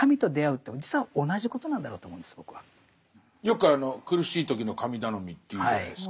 よくあの苦しい時の神頼みと言うじゃないですか。